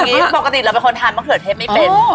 เอาอย่างนี้ปกติเราเป็นคนทานมะเขือเทศไม่เป็น